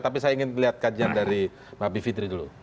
tapi saya ingin melihat kajian dari mbak bivitri dulu